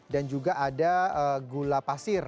dan juga ada gula pasir